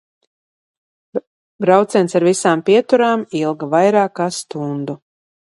Brauciens ar visām pieturām ilga vairāk kā stundu.